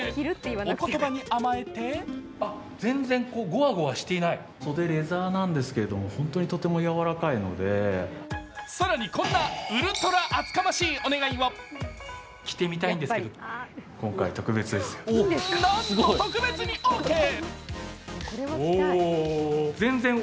お言葉に甘えて更にこんなウルトラ厚かましいお願いをなんと特別にオーケー。